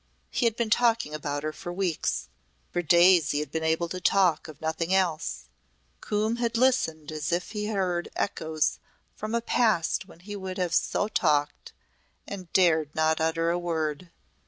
He had been talking about her for weeks for days he had been able to talk of nothing else Coombe had listened as if he heard echoes from a past when he would have so talked and dared not utter a word.